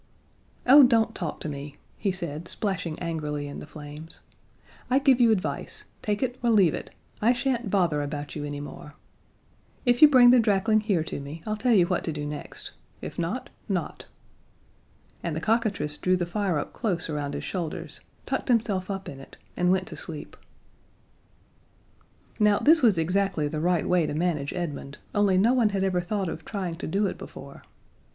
"Oh, don't talk to me!" he said, splashing angrily in the flames. "I give you advice; take it or leave it I shan't bother about you anymore. If you bring the drakling here to me, I'll tell you what to do next. If not, not." And the cockatrice drew the fire up close around his shoulders, tucked himself up in it, and went to sleep. Now this was exactly the right way to manage Edmund, only no one had ever thought of trying to do it before.